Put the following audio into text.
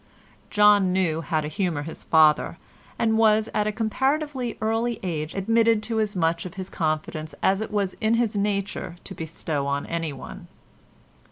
John knew how to humour his father, and was at a comparatively early age admitted to as much of his confidence as it was in his nature to bestow on anyone.